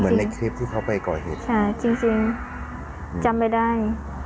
เหมือนในคลิปที่เขาไปก่อเหตุจำไม่ได้